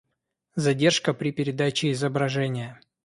Задержка при передаче изображения